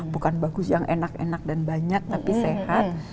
bukan bagus yang enak enak dan banyak tapi sehat